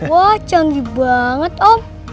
wah canggih banget om